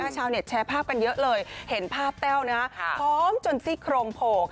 ชาวเน็ตแชร์ภาพกันเยอะเลยเห็นภาพแต้วพร้อมจนซี่โครงโผล่